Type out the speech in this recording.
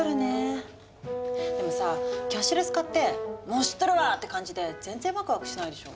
でもさキャッシュレス化って「もう知っとるわ！」って感じで全然ワクワクしないでしょ。